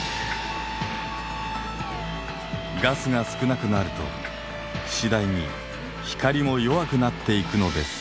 ガスが少なくなると次第に光も弱くなっていくのです。